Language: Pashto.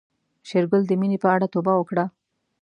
شېرګل د مينې په اړه توبه وکړه.